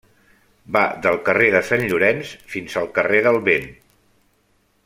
Va del carrer de Sant Llorenç fins al carrer del Vent.